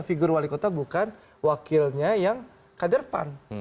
figur wali kota bukan wakilnya yang kader pan